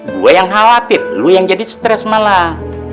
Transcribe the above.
gua yang khawatir lu yang jadi stress malah